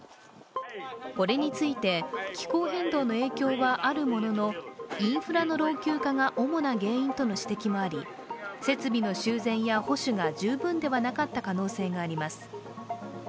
これについて、気候変動の影響はあるもののインフラの老朽化が主な原因との指摘もあり設備の修繕や保守が十分ではなかった可能性があります。